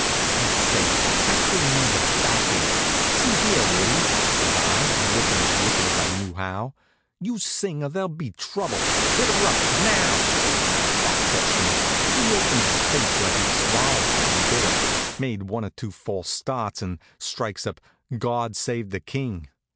Say, that gave me the backache. "See here, Woodie," says I, lookin' as wicked as I knew how, "you sing or there'll be trouble! Hit 'er up, now!" That fetched him. He opened his face like he'd swallowed something bitter, made one or two false starts, and strikes up "God save the King."